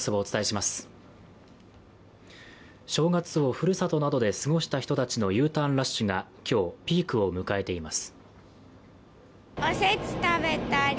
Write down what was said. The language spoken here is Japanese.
正月をふるさとなどで過ごした人たちのＵターンラッシュが今日ピークを迎えています。